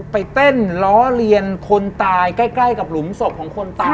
ไปเต้นล้อเลียนคนตายใกล้กับหลุมศพของคนตาย